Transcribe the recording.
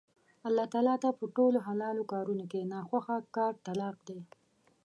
الله تعالی ته په ټولو حلالو کارونو کې نا خوښه کار طلاق دی